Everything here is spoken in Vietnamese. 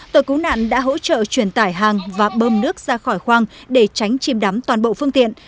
tổ cứu nạn đã hỗ trợ chuyển tải hàng và bơm nước ra khỏi quang để tránh chìm đắm toàn bộ phương tiện